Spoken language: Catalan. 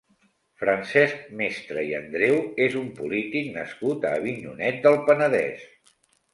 Francesc Mestre i Andreu és un polític nascut a Avinyonet del Penedès.